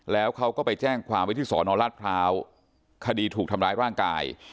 แล้วเขาก็ไปแจ้งความไว้ที่สอนอรัฐพร้าวคดีถูกทำร้ายร่างกาย